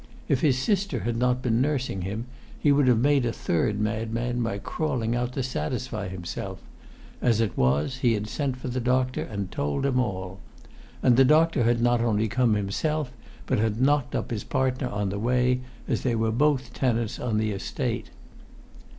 If his sister had not been nursing him, he would have made a third madman by crawling out to satisfy himself; as it was, he had sent for the doctor and told him all. And the doctor had not only come himself, but had knocked up his partner on the way, as they were both tenants on the Estate.